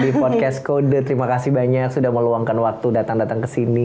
di podcast kode terima kasih banyak sudah meluangkan waktu datang datang ke sini